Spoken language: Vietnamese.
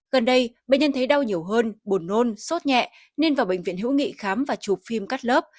gần đây bệnh nhân thấy đau nhiều hơn buồn nôn sốt nhẹ nên vào bệnh viện hữu nghị khám và chụp phim cắt lớp